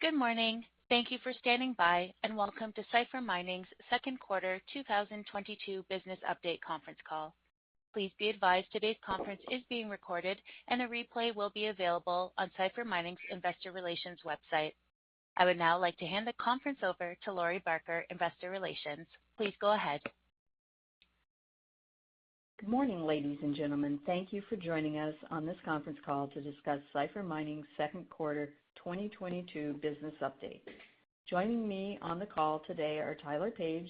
Good morning. Thank you for standing by, and welcome to Cipher Mining's Second Quarter 2022 Business Update Conference Call. Please be advised today's conference is being recorded and a replay will be available on Cipher Mining's investor relations website. I would now like to hand the conference over to Lori Barker, Investor Relations. Please go ahead. Good morning, ladies and gentlemen. Thank you for joining us on this conference call to discuss Cipher Mining's second quarter 2022 business update. Joining me on the call today are Tyler Page,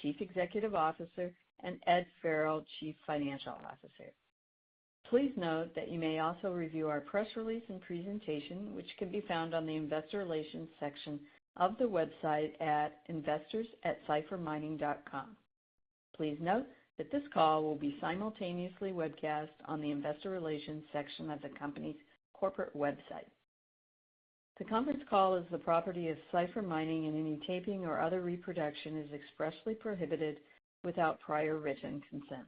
Chief Executive Officer, and Ed Farrell, Chief Financial Officer. Please note that you may also review our press release and presentation, which can be found on the investor relations section of the website at investors.ciphermining.com. Please note that this call will be simultaneously webcast on the investor relations section of the company's corporate website. The conference call is the property of Cipher Mining, and any taping or other reproduction is expressly prohibited without prior written consent.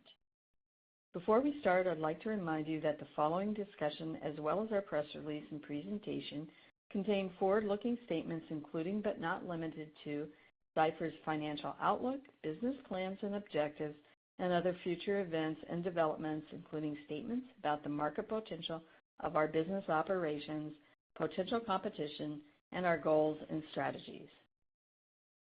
Before we start, I'd like to remind you that the following discussion, as well as our press release and presentation, contain forward-looking statements, including, but not limited to, Cipher's financial outlook, business plans and objectives, and other future events and developments, including statements about the market potential of our business operations, potential competition, and our goals and strategies.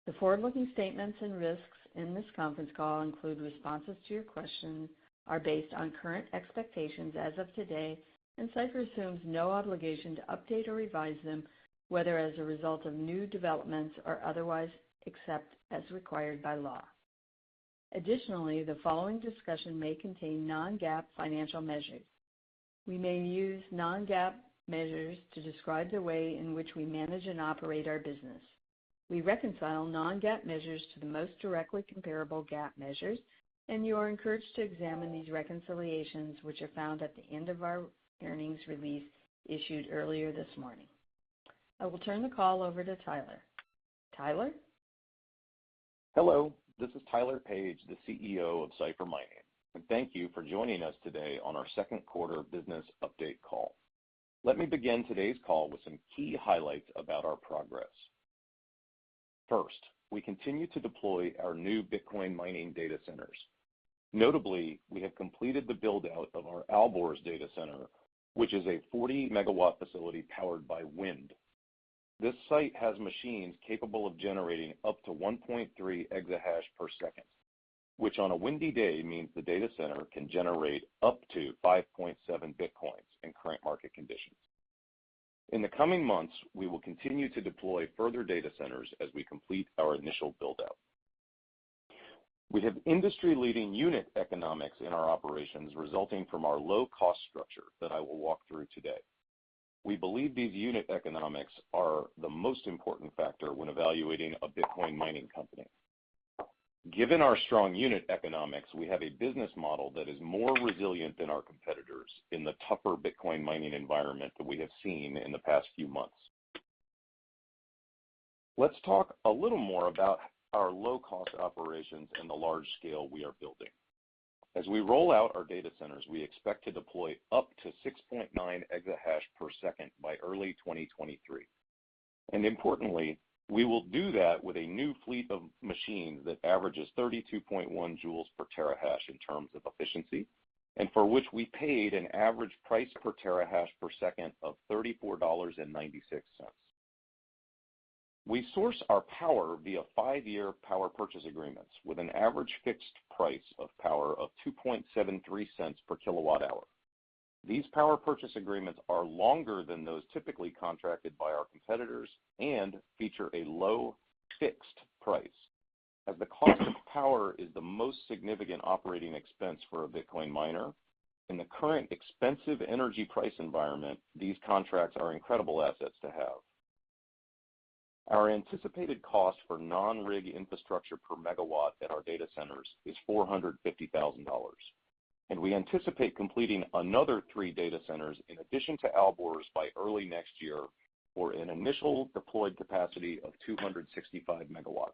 The forward-looking statements and risks in this conference call, including responses to your questions, are based on current expectations as of today, and Cipher assumes no obligation to update or revise them, whether as a result of new developments or otherwise, except as required by law. Additionally, the following discussion may contain non-GAAP financial measures. We may use non-GAAP measures to describe the way in which we manage and operate our business. We reconcile non-GAAP measures to the most directly comparable GAAP measures, and you are encouraged to examine these reconciliations, which are found at the end of our earnings release issued earlier this morning. I will turn the call over to Tyler. Tyler. Hello. This is Tyler Page, the CEO of Cipher Mining, and thank you for joining us today on our second quarter business update call. Let me begin today's call with some key highlights about our progress. First, we continue to deploy our new Bitcoin mining data centers. Notably, we have completed the build-out of our Alborz Data Center, which is a 40 MW facility powered by wind. This site has machines capable of generating up to 1.3 exahash per second, which on a windy day means the data center can generate up to 5.7 Bitcoins in current market conditions. In the coming months, we will continue to deploy further data centers as we complete our initial build-out. We have industry-leading unit economics in our operations resulting from our low cost structure that I will walk through today. We believe these unit economics are the most important factor when evaluating a Bitcoin mining company. Given our strong unit economics, we have a business model that is more resilient than our competitors in the tougher Bitcoin mining environment that we have seen in the past few months. Let's talk a little more about our low-cost operations and the large scale we are building. As we roll out our data centers, we expect to deploy up to 6.9 exahash per second by early 2023. Importantly, we will do that with a new fleet of machines that averages 32.1 joules per terahash in terms of efficiency, and for which we paid an average price per terahash per second of $34.96. We source our power via five-year power purchase agreements with an average fixed price of power of $0.0273 per kWh. These power purchase agreements are longer than those typically contracted by our competitors and feature a low fixed price. As the cost of power is the most significant operating expense for a Bitcoin miner, in the current expensive energy price environment, these contracts are incredible assets to have. Our anticipated cost for non-rig infrastructure per megawatt at our data centers is $450,000, and we anticipate completing another three data centers in addition to Alborz by early next year for an initial deployed capacity of 265 MW.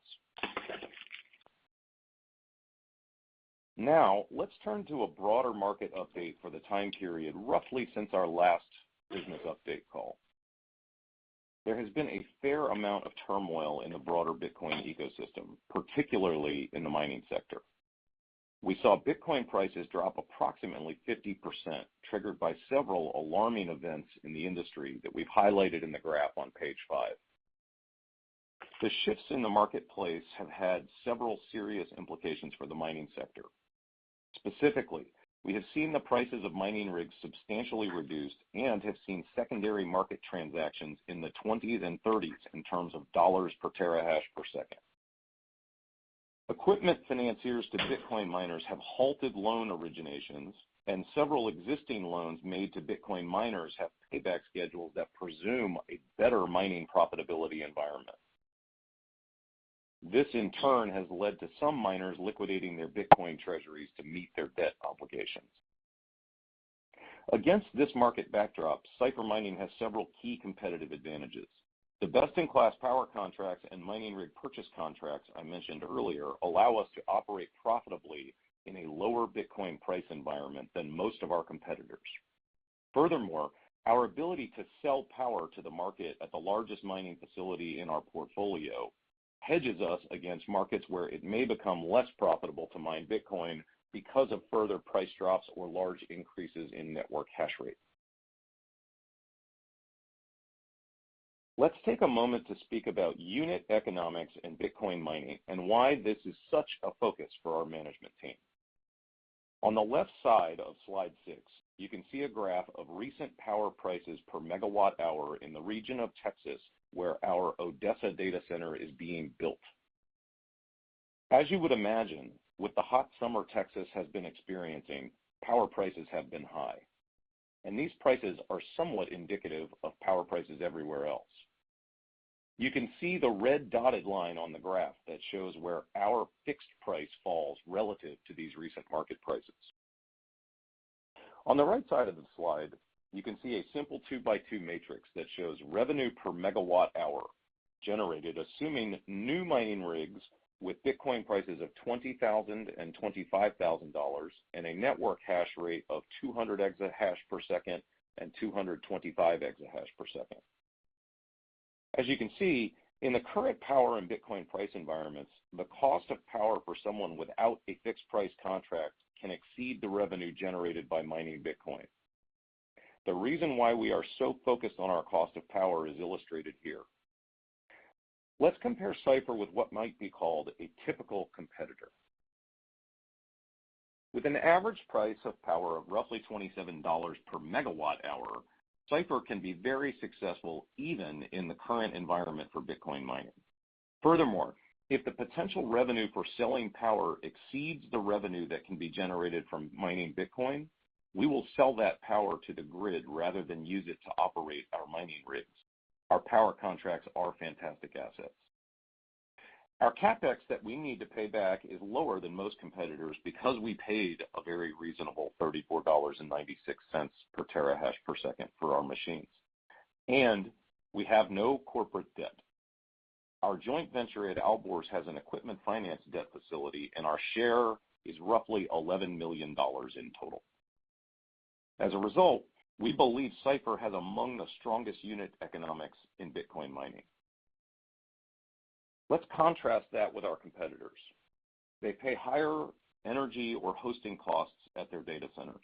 Now, let's turn to a broader market update for the time period, roughly since our last business update call. There has been a fair amount of turmoil in the broader Bitcoin ecosystem, particularly in the mining sector. We saw Bitcoin prices drop approximately 50%, triggered by several alarming events in the industry that we've highlighted in the graph on page five. The shifts in the marketplace have had several serious implications for the mining sector. Specifically, we have seen the prices of mining rigs substantially reduced and have seen secondary market transactions in the $20s and $30s per TH/s. Equipment financiers to Bitcoin miners have halted loan originations, and several existing loans made to Bitcoin miners have payback schedules that presume a better mining profitability environment. This, in turn, has led to some miners liquidating their Bitcoin treasuries to meet their debt obligations. Against this market backdrop, Cipher Mining has several key competitive advantages. The best-in-class power contracts and mining rig purchase contracts I mentioned earlier allow us to operate profitably in a lower Bitcoin price environment than most of our competitors. Furthermore, our ability to sell power to the market at the largest mining facility in our portfolio hedges us against markets where it may become less profitable to mine Bitcoin because of further price drops or large increases in network hash rate. Let's take a moment to speak about unit economics in Bitcoin mining and why this is such a focus for our management team. On the left side of Slide six, you can see a graph of recent power prices per megawatt hour in the region of Texas where our Odessa Data Center is being built. As you would imagine, with the hot summer Texas has been experiencing, power prices have been high, and these prices are somewhat indicative of power prices everywhere else. You can see the red dotted line on the graph that shows where our fixed price falls relative to these recent market prices. On the right side of the slide, you can see a simple two-by-two matrix that shows revenue per megawatt hour generated, assuming new mining rigs with Bitcoin prices of $20,000 and $25,000 and a network hash rate of 200 exahash per second and 225 exahash per second. As you can see, in the current power and Bitcoin price environments, the cost of power for someone without a fixed price contract can exceed the revenue generated by mining Bitcoin. The reason why we are so focused on our cost of power is illustrated here. Let's compare Cipher with what might be called a typical competitor. With an average price of power of roughly $27 per MWh, Cipher can be very successful even in the current environment for Bitcoin mining. Furthermore, if the potential revenue for selling power exceeds the revenue that can be generated from mining Bitcoin, we will sell that power to the grid rather than use it to operate our mining rigs. Our power contracts are fantastic assets. Our CapEx that we need to pay back is lower than most competitors because we paid a very reasonable $34.96 per TH/s for our machines, and we have no corporate debt. Our joint venture at Alborz has an equipment finance debt facility, and our share is roughly $11 million in total. As a result, we believe Cipher has among the strongest unit economics in Bitcoin mining. Let's contrast that with our competitors. They pay higher energy or hosting costs at their data centers.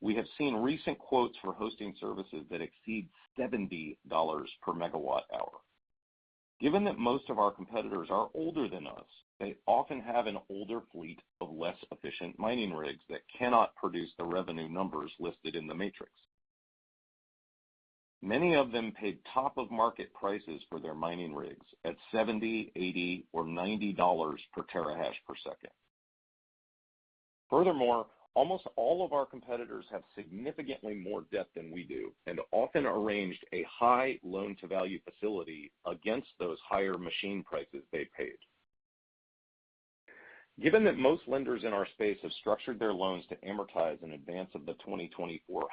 We have seen recent quotes for hosting services that exceed $70 per MWh. Given that most of our competitors are older than us, they often have an older fleet of less efficient mining rigs that cannot produce the revenue numbers listed in the matrix. Many of them paid top of market prices for their mining rigs at $70, $80, or $90 per TH/s. Furthermore, almost all of our competitors have significantly more debt than we do and often arranged a high loan-to-value facility against those higher machine prices they paid. Given that most lenders in our space have structured their loans to amortize in advance of the 2024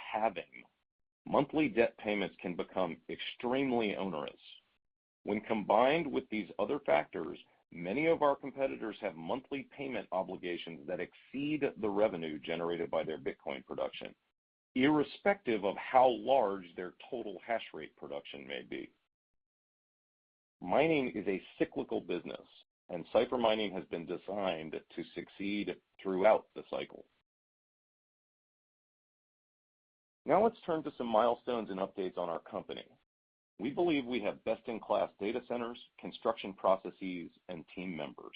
halving, monthly debt payments can become extremely onerous. When combined with these other factors, many of our competitors have monthly payment obligations that exceed the revenue generated by their Bitcoin production, irrespective of how large their total hash rate production may be. Mining is a cyclical business, and Cipher Mining has been designed to succeed throughout the cycle. Now let's turn to some milestones and updates on our company. We believe we have best-in-class data centers, construction processes, and team members.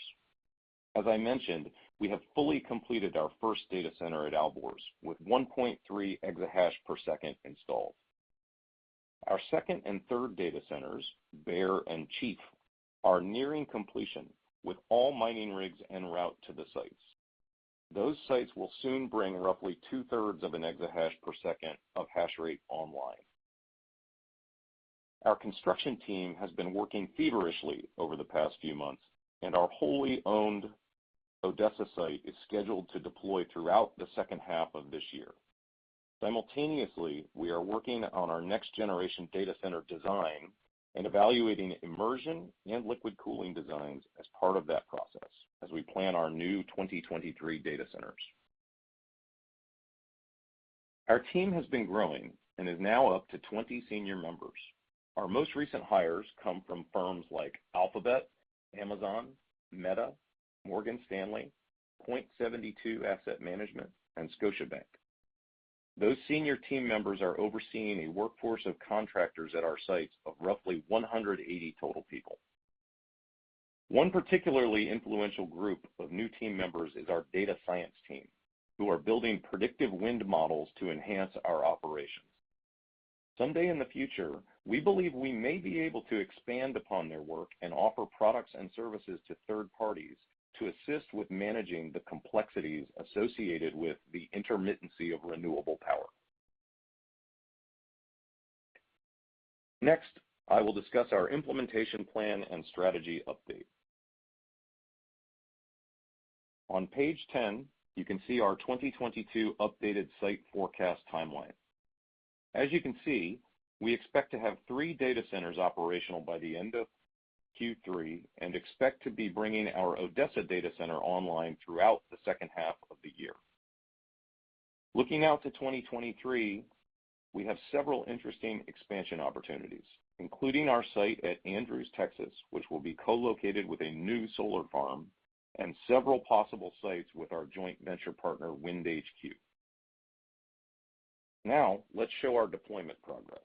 As I mentioned, we have fully completed our first Data Center at Alborz with 1.3 exahash per second installed. Our second and third Data Centers, Bear and Chief, are nearing completion with all mining rigs en route to the sites. Those sites will soon bring roughly two-thirds of an exahash per second of hash rate online. Our construction team has been working feverishly over the past few months, and our wholly owned Odessa site is scheduled to deploy throughout the second half of this year. Simultaneously, we are working on our next-generation data center design and evaluating immersion and liquid cooling designs as part of that process as we plan our new 2023 data centers. Our team has been growing and is now up to 20 senior members. Our most recent hires come from firms like Alphabet, Amazon, Meta, Morgan Stanley, Point72 Asset Management, and Scotiabank. Those senior team members are overseeing a workforce of contractors at our sites of roughly 180 total people. One particularly influential group of new team members is our data science team, who are building predictive wind models to enhance our operations. Someday in the future, we believe we may be able to expand upon their work and offer products and services to third parties to assist with managing the complexities associated with the intermittency of renewable power. Next, I will discuss our implementation plan and strategy update. On page 10, you can see our 2022 updated site forecast timeline. As you can see, we expect to have three data centers operational by the end of Q3 and expect to be bringing our Odessa Data Center online throughout the second half of the year. Looking out to 2023, we have several interesting expansion opportunities, including our site at Andrews, Texas, which will be co-located with a new solar farm and several possible sites with our joint venture partner, WindHQ. Now, let's show our deployment progress.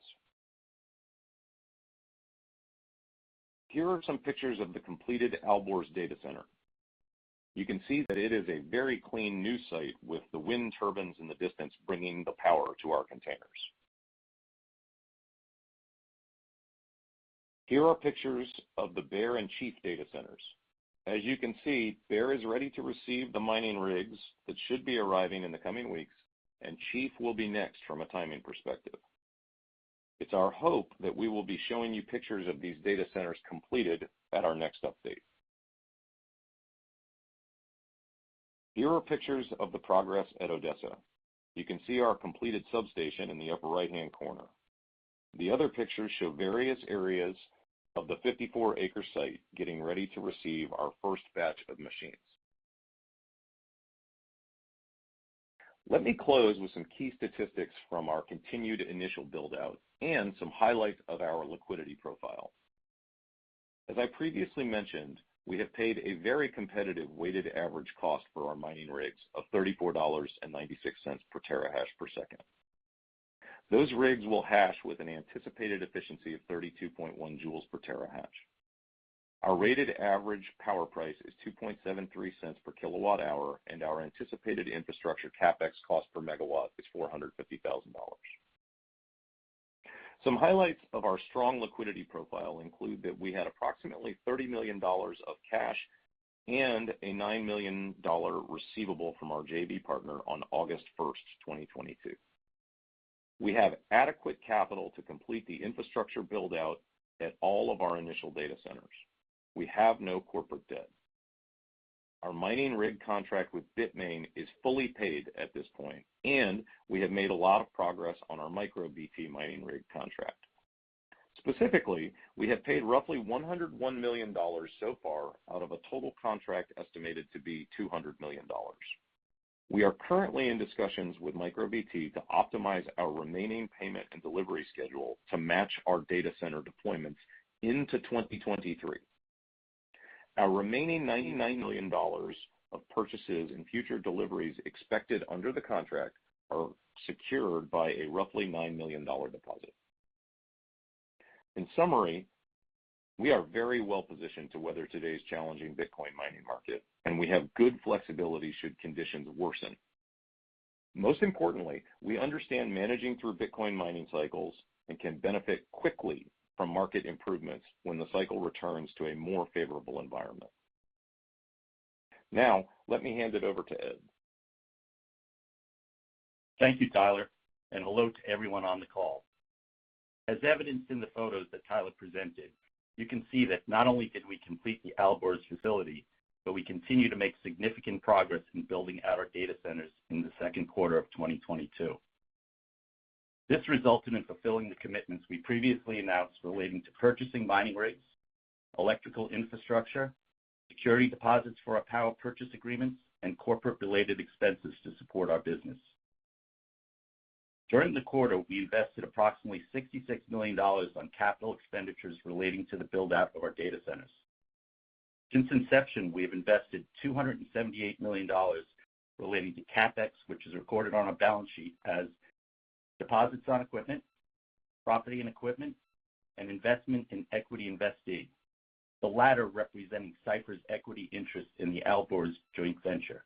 Here are some pictures of the completed Alborz Data Center. You can see that it is a very clean new site with the wind turbines in the distance, bringing the power to our containers. Here are pictures of the Bear and Chief Data Centers. As you can see, Bear is ready to receive the mining rigs that should be arriving in the coming weeks, and Chief will be next from a timing perspective. It's our hope that we will be showing you pictures of these data centers completed at our next update. Here are pictures of the progress at Odessa. You can see our completed substation in the upper right-hand corner. The other pictures show various areas of the 54-acre site getting ready to receive our first batch of machines. Let me close with some key statistics from our continued initial build-out and some highlights of our liquidity profile. As I previously mentioned, we have paid a very competitive weighted average cost for our mining rigs of $34.96 per TH/s. Those rigs will hash with an anticipated efficiency of 32.1 J/TH. Our rated average power price is $0.0273 per kWh, and our anticipated infrastructure CapEx cost per megawatt is $450,000. Some highlights of our strong liquidity profile include that we had approximately $30 million of cash and a $9 million receivable from our JV partner on August 1, 2022. We have adequate capital to complete the infrastructure build-out at all of our initial data centers. We have no corporate debt. Our mining rig contract with Bitmain is fully paid at this point, and we have made a lot of progress on our MicroBT mining rig contract. Specifically, we have paid roughly $101 million so far out of a total contract estimated to be $200 million. We are currently in discussions with MicroBT to optimize our remaining payment and delivery schedule to match our data center deployments into 2023. Our remaining $99 million of purchases and future deliveries expected under the contract are secured by a roughly $9 million deposit. In summary, we are very well-positioned to weather today's challenging Bitcoin mining market, and we have good flexibility should conditions worsen. Most importantly, we understand managing through Bitcoin mining cycles and can benefit quickly from market improvements when the cycle returns to a more favorable environment. Now, let me hand it over to Ed. Thank you, Tyler, and hello to everyone on the call. As evidenced in the photos that Tyler presented, you can see that not only did we complete the Alborz facility, but we continue to make significant progress in building out our data centers in the second quarter of 2022. This resulted in fulfilling the commitments we previously announced relating to purchasing mining rigs, electrical infrastructure, security deposits for our power purchase agreements, and corporate-related expenses to support our business. During the quarter, we invested approximately $66 million on capital expenditures relating to the build-out of our data centers. Since inception, we have invested $278 million relating to CapEx, which is recorded on our balance sheet as deposits on equipment, property and equipment, and investment in equity investees, the latter representing Cipher's equity interest in the Alborz joint venture.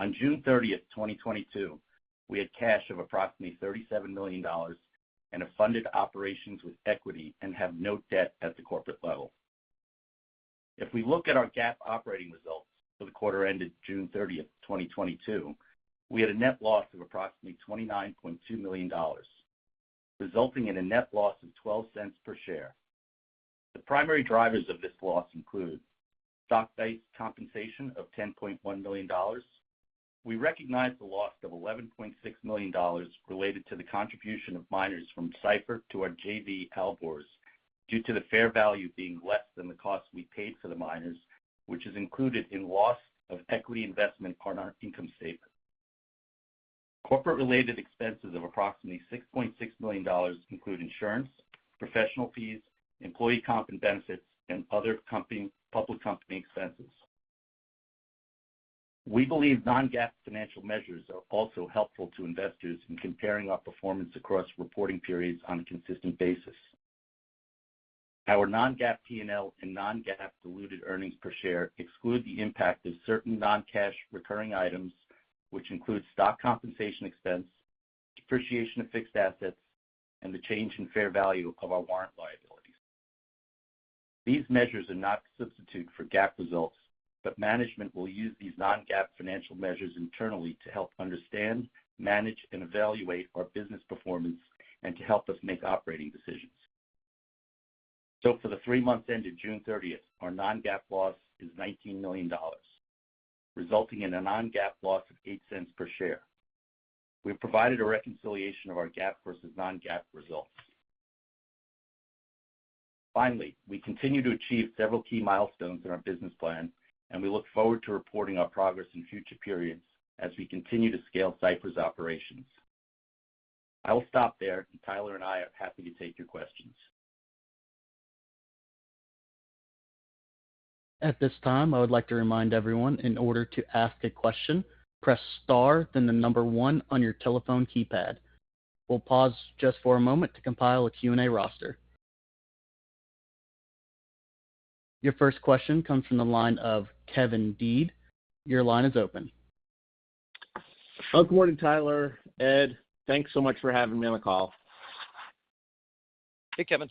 On June 30, 2022, we had cash of approximately $37 million and have funded operations with equity and have no debt at the corporate level. If we look at our GAAP operating results for the quarter ended June 30, 2022, we had a net loss of approximately $29.2 million, resulting in a net loss of $0.12 per share. The primary drivers of this loss include stock-based compensation of $10.1 million. We recognized the loss of $11.6 million related to the contribution of miners from Cipher to our JV, Alborz, due to the fair value being less than the cost we paid for the miners, which is included in loss of equity investment on our income statement. Corporate-related expenses of approximately $6.6 million include insurance, professional fees, employee comp and benefits, and other public company expenses. We believe non-GAAP financial measures are also helpful to investors in comparing our performance across reporting periods on a consistent basis. Our non-GAAP P&L and non-GAAP diluted earnings per share exclude the impact of certain non-cash recurring items, which include stock compensation expense, depreciation of fixed assets, and the change in fair value of our warrant liabilities. These measures are not a substitute for GAAP results, but management will use these non-GAAP financial measures internally to help understand, manage, and evaluate our business performance and to help us make operating decisions. For the three months ended June 30, our non-GAAP loss is $19 million, resulting in a non-GAAP loss of $0.08 per share. We've provided a reconciliation of our GAAP versus non-GAAP results. Finally, we continue to achieve several key milestones in our business plan, and we look forward to reporting our progress in future periods as we continue to scale Cipher's operations. I will stop there, and Tyler and I are happy to take your questions. At this time, I would like to remind everyone in order to ask a question, press star, then the number one on your telephone keypad. We'll pause just for a moment to compile a Q&A roster. Your first question comes from the line of Kevin Dede. Your line is open. Well, good morning, Tyler, Ed. Thanks so much for having me on the call. Hey, Kevin.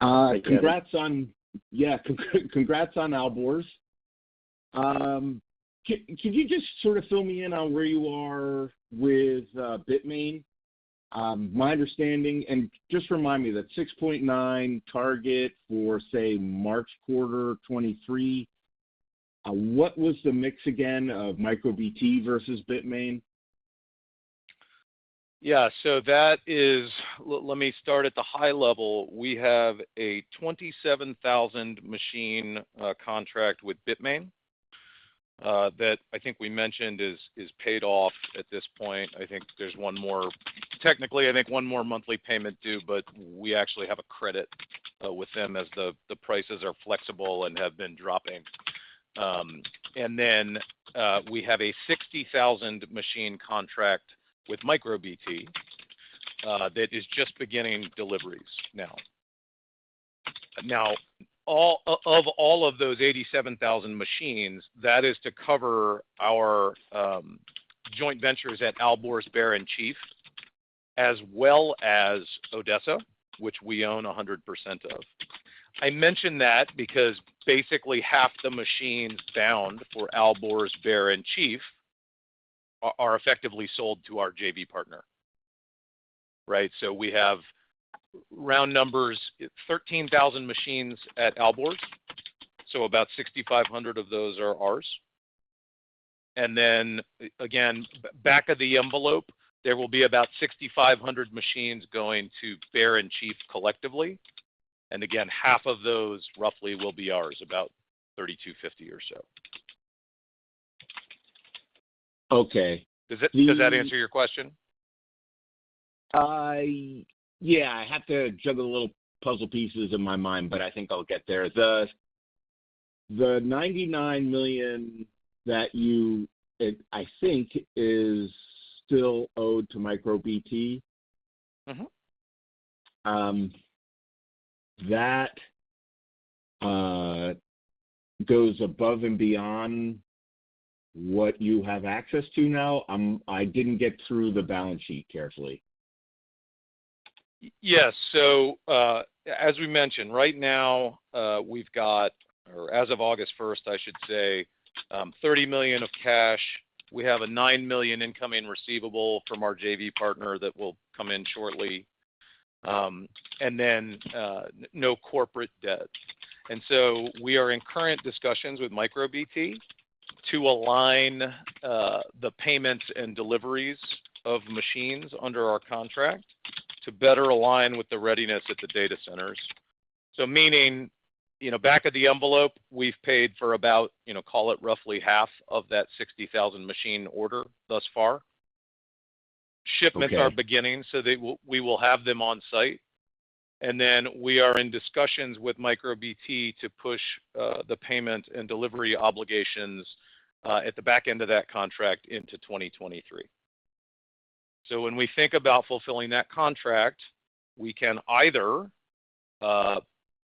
Congrats on Alborz. Can you just sort of fill me in on where you are with Bitmain? My understanding, and just remind me, that 6.9 target for, say, March quarter 2023, what was the mix again of MicroBT versus Bitmain? Let me start at the high level. We have a 27,000 machine contract with Bitmain that I think we mentioned is paid off at this point. I think there's one more monthly payment due, but we actually have a credit with them as the prices are flexible and have been dropping. We have a 60,000 machine contract with MicroBT that is just beginning deliveries now. Of all of those 87,000 machines, that is to cover our joint ventures at Alborz, Bear and Chief, as well as Odessa, which we own 100% of. I mention that because basically half the machines bound for Alborz, Bear and Chief are effectively sold to our JV partner, right? We have round numbers, 13,000 machines at Alborz, so about 6,500 of those are ours. Again, back of the envelope, there will be about 6,500 machines going to Bear and Chief collectively. Again, half of those roughly will be ours, about 3,250 or so. Okay. Does that answer your question? Yeah, I have to juggle the little puzzle pieces in my mind, but I think I'll get there. The $99 million that I think is still owed to MicroBT. Mm-hmm that goes above and beyond what you have access to now? I didn't get through the balance sheet carefully. Yes. As we mentioned, right now, we've got, or as of August first, I should say, $30 million of cash. We have a $9 million incoming receivable from our JV partner that will come in shortly, and then, no corporate debts. We are in current discussions with MicroBT to align the payments and deliveries of machines under our contract to better align with the readiness at the data centers. Meaning, you know, back of the envelope, we've paid for about, you know, call it roughly half of that 60,000 machine order thus far. Okay. Shipments are beginning, we will have them on site. We are in discussions with MicroBT to push the payment and delivery obligations at the back end of that contract into 2023. When we think about fulfilling that contract, we can either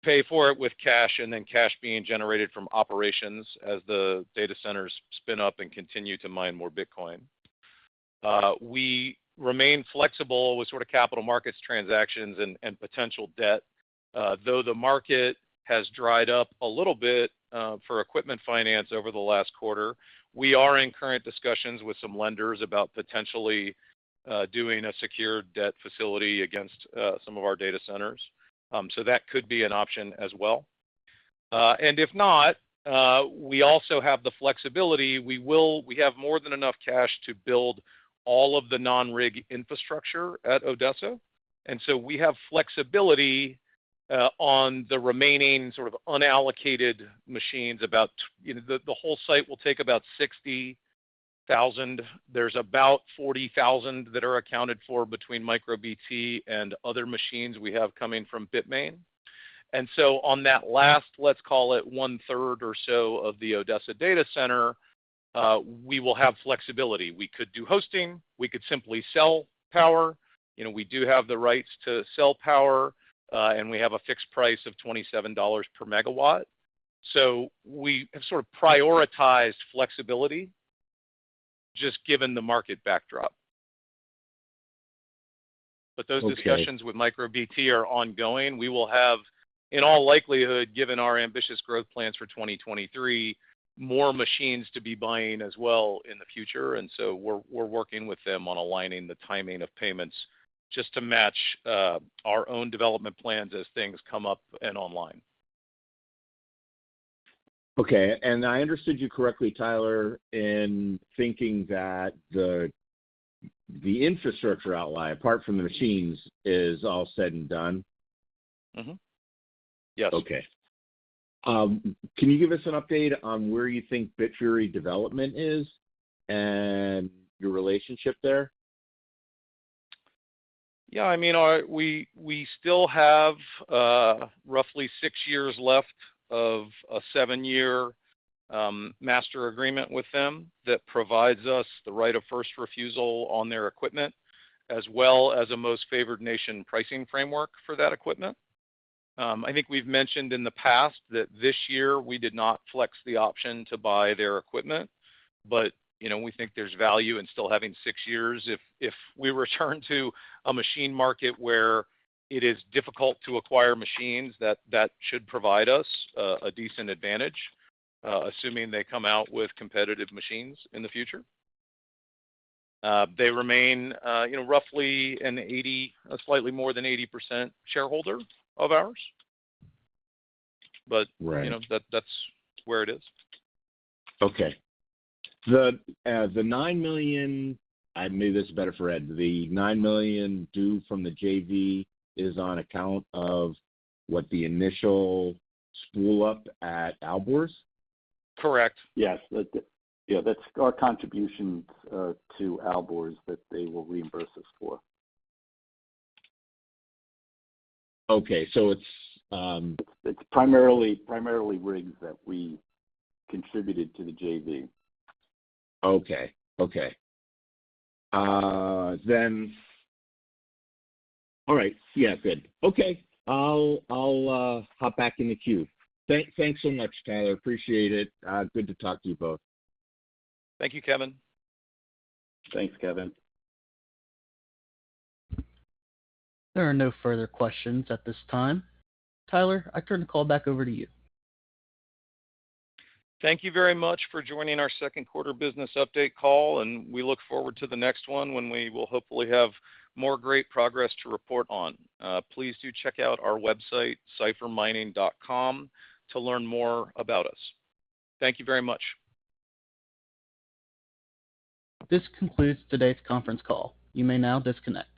pay for it with cash and then cash being generated from operations as the data centers spin up and continue to mine more Bitcoin. We remain flexible with sort of capital markets transactions and potential debt. Though the market has dried up a little bit for equipment finance over the last quarter, we are in current discussions with some lenders about potentially doing a secured debt facility against some of our data centers. That could be an option as well. If not, we also have the flexibility. We have more than enough cash to build all of the non-rig infrastructure at Odessa. We have flexibility on the remaining sort of unallocated machines, about. You know, the whole site will take about 60,000. There's about 40,000 that are accounted for between MicroBT and other machines we have coming from Bitmain. On that last, let's call it one-third or so of the Odessa Data Center, we will have flexibility. We could do hosting. We could simply sell power. You know, we do have the rights to sell power, and we have a fixed price of $27 per MW. We have sort of prioritized flexibility just given the market backdrop. Okay. Those discussions with MicroBT are ongoing. We will have, in all likelihood, given our ambitious growth plans for 2023, more machines to be buying as well in the future. We're working with them on aligning the timing of payments just to match our own development plans as things come up and online. Okay. I understood you correctly, Tyler, in thinking that the infrastructure outlay, apart from the machines, is all said and done? Mm-hmm. Yes. Okay. Can you give us an update on where you think Bitfury development is and your relationship there? Yeah. I mean, we still have roughly six years left of a seven-year master agreement with them that provides us the right of first refusal on their equipment, as well as a most favored nation pricing framework for that equipment. I think we've mentioned in the past that this year we did not flex the option to buy their equipment. You know, we think there's value in still having six years. If we return to a machine market where it is difficult to acquire machines, that should provide us a decent advantage, assuming they come out with competitive machines in the future. They remain, you know, roughly 80%, slightly more than 80% shareholder of ours. Right. You know, that's where it is. Okay. I knew this better for Ed, the $9 million due from the JV is on account of the initial spool up at Alborz? Correct. Yes. Yeah, that's our contributions to Alborz that they will reimburse us for. Okay. It's... It's primarily rigs that we contributed to the JV. Okay. All right. Yeah, good. Okay. I'll hop back in the queue. Thanks so much, Tyler. Appreciate it. Good to talk to you both. Thank you, Kevin. Thanks, Kevin. There are no further questions at this time. Tyler, I turn the call back over to you. Thank you very much for joining our second quarter business update call, and we look forward to the next one when we will hopefully have more great progress to report on. Please do check out our website, ciphermining.com, to learn more about us. Thank you very much. This concludes today's conference call. You may now disconnect.